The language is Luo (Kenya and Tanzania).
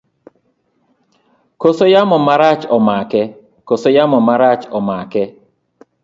Kose yamo marach omake?